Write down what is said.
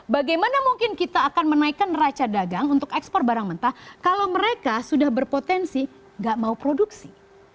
bagaimana mungkin kita akan menaikkan raca dagang untuk ekspor barang mentah kalau mereka sudah berpotensi gak mau produksi